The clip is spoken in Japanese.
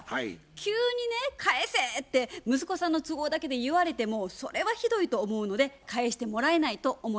急にね「返せ」って息子さんの都合だけで言われてもそれはひどいと思うので返してもらえないと思います。